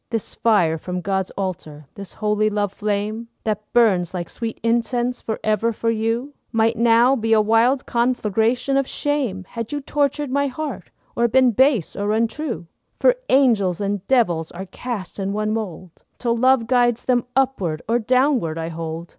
This fire from God's altar, this holy love flame, That burns like sweet incense forever for you, Might now be a wild conflagration of shame, Had you tortured my heart, or been base or untrue. For angels and devils are cast in one mould, Till love guides them upward or downward, I hold.